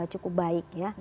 cukup baik ya